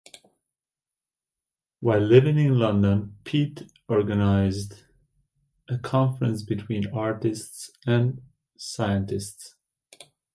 While living in London, Peat organized a conference between artists and scientists.